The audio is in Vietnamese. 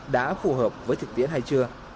đã phù hợp với thực tiễn hay chưa